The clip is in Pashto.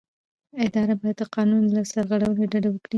اداره باید د قانون له سرغړونې ډډه وکړي.